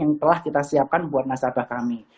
yang telah kita siapkan buat nasabah kami